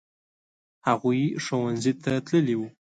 هغوی ښوونځي ته تللي وو.